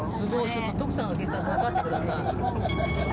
ちょっと徳さんの血圧測ってください。